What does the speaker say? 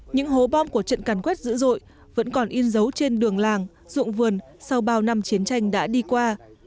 những hố bom của trận càn quét dữ dội vẫn còn in dấu trên đường làng ruộng vườn sau bao năm chiến tranh đã đi qua